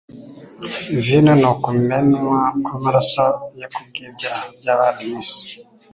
vino ni ukumenwa kw'amaraso ye ku bw'ibyaha by'abari mu isi.